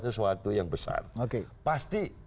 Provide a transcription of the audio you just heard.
sesuatu yang besar pasti